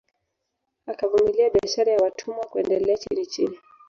Akavumilia biashara ya watumwa kuendelea chinichini